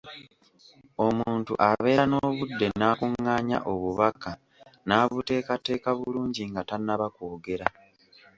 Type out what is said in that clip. Omuntu abeera n’obudde n’akungaanya obubaka n’abuteekateeka bulungi nga tannaba kwogera.